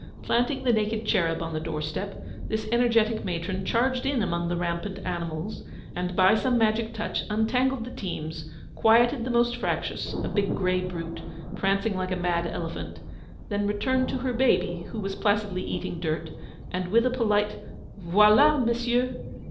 Planting the naked cherub on the door step, this energetic matron charged in among the rampant animals, and by some magic touch untangled the teams, quieted the most fractious, a big grey brute, prancing like a mad elephant; then returned to her baby, who was placidly eating dirt, and with a polite '_Voilà, messieurs!